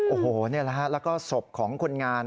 โอ้โหแล้วก็ศพของคนงาน